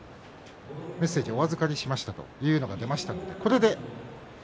メッセージお預かりしましたというものが出ましたよ。